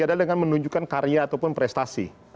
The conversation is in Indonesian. adalah dengan menunjukkan karya ataupun prestasi